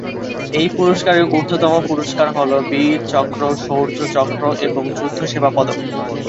এই পুরস্কারের ঊর্ধ্বতন পুরস্কার হল বীর চক্র, শৌর্য চক্র এবং যুদ্ধ সেবা পদক।